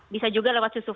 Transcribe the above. bisa juga lewat susu formula